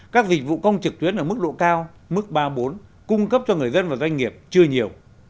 các dịch vụ công trực tuyến ở mức độ cao mức ba bốn cung cấp cho người dân và doanh nghiệp chưa nhiều